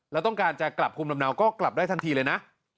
แล้วต้องการจะกลับภูมิลำเนาก็กลับได้ทันทีเลยนะ